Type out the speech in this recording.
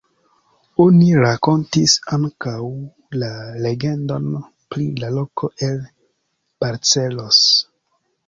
Oni rakontis ankaŭ la legendon pri la koko el Barcelos.